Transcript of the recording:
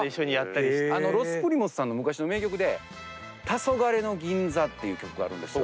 ロス・プリモスさんの昔の名曲で「たそがれの銀座」っていう曲があるんです。